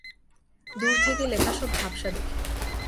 দূর থেকে লেখা সব ঝাপ্সা দেখি।